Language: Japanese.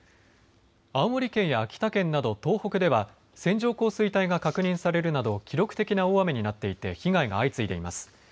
青森県や秋田県など東北では線状降水帯が確認されるなど記録的な大雨になっていて被害が相次いでいます。